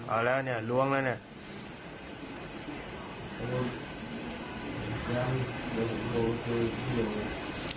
เอาแล้วเนี่ยล้วงแล้วเนี่ย